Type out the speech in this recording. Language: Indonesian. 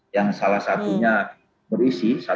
yang salah satunya berisi